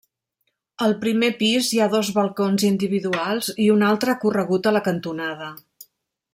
Al primer pis hi ha dos balcons individuals i un altre corregut a la cantonada.